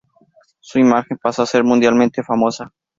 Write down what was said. Su imagen pasó a ser mundialmente famosa.